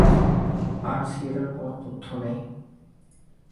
আর সিয়েরার কোনো তথ্য নেই।